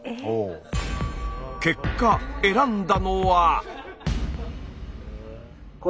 結果選んだのは？